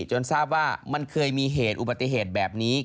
จนทราบว่ามันเคยมีเหตุอุบัติเหตุแบบนี้